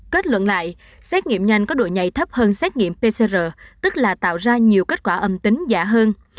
kết luận lại xét nghiệm nhanh có độ nhảy thấp hơn xét nghiệm pcr tức là tạo ra nhiều kết quả âm tính giả hơn